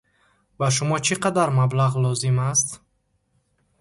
Ба шумо чӣ қадар маблағ лозим аст?